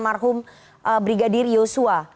menghantar almarhum brigadir yosua